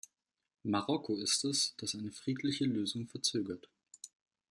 Marokko ist es, das eine friedliche Lösung verzögert.